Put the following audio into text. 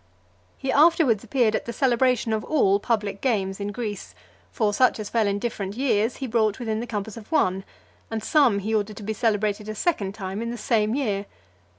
XXIII. He afterwards appeared at the celebration of all public games in Greece: for such as fell in different years, he brought within the compass of one, and some he ordered to be celebrated a second time in the same year.